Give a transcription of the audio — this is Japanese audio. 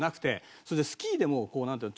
それでスキーでもこうなんていうの？